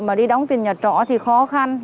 mà đi đóng tiền nhà trỏ thì khó khăn